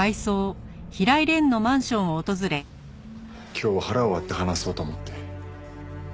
今日は腹を割って話そうと思って。